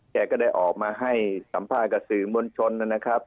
แกก็ได้ออกมาให้สัมภาษณ์กับสื่อมวลชนนะครับ